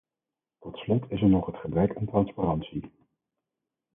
Tot slot is er nog het gebrek aan transparantie.